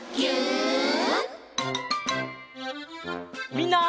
みんな！